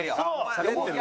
「しゃべってる。